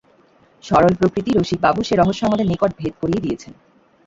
সরলপ্রকৃতি রসিকবাবু সে রহস্য আমাদের নিকট ভেদ করেই দিয়েছেন।